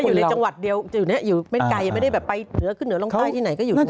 อยู่ในจังหวัดเดียวอยู่ไหนไม่ได้ไปเหนือขึ้นเหนือลงใต้ที่ไหน